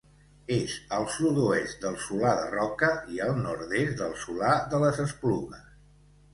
És al sud-oest del Solà de Roca i al nord-est del Solà de les Esplugues.